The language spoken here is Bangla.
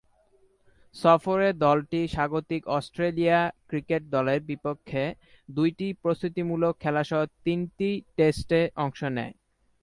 সফরে দলটি স্বাগতিক অস্ট্রেলিয়া ক্রিকেট দলের বিপক্ষে দুইটি প্রস্তুতিমূলক খেলাসহ তিনটি টেস্টে অংশ নেয়।